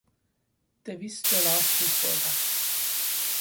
دویست دلار سود بردم.